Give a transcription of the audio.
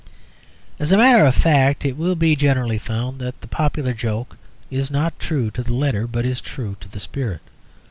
As a matter of fact, it will be generally found that the popular joke is not true to the letter, but is true to the spirit.